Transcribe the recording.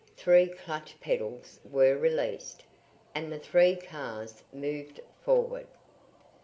Three clutch pedals were released, and the three cars moved forward.